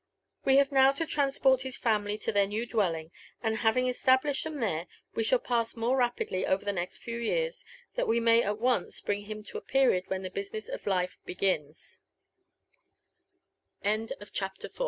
We have now to transport his family to their! new dwelling; and having established them there, we shall pass more rapidly over the next few years, that we may at^once bring him to a period when the